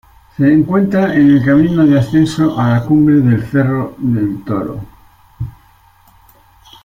Se encuentra en el camino de ascenso a la cumbre del Cerro del Toro.